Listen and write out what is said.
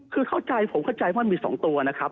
คือเข้าใจผมเข้าใจว่ามันมี๒ตัวนะครับ